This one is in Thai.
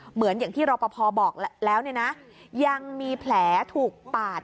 เหมือนอย่างที่รอปภบอกแล้วเนี่ยนะยังมีแผลถูกปาด